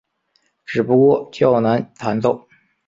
只不过较难弹奏。